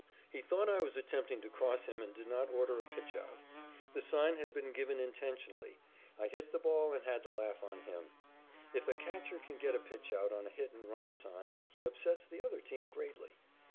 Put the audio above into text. He thought I was attempting to cross him and did not order a pitchout. The sign had been given intentionally. I hit the ball and had the laugh on him. If a catcher can get a pitchout on a hit and run sign he upsets the other team greatly.